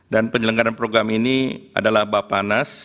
dan penyelenggaran program ini adalah bapanas